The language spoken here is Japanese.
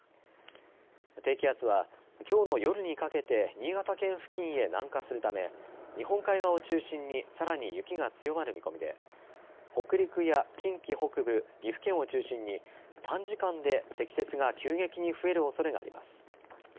低気圧はきょうの夜にかけて新潟県付近へ南下するため日本海側を中心にさらに雪が強まる見込みで北陸や近畿北部、岐阜県を中心に短時間で積雪が急激に増えるおそれがあります。